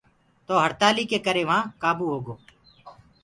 تو هڙتآلي ڪي ڪري وهآ ڪآبو هوگو۔